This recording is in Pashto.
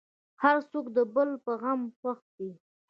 هر څوک د بل په غم خوښ دی.